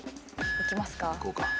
いきますか。